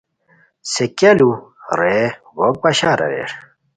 سے کیہ لو؟ رے بوک بشار اریر